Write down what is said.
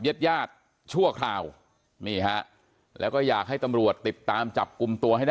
ญาติญาติชั่วคราวนี่ฮะแล้วก็อยากให้ตำรวจติดตามจับกลุ่มตัวให้ได้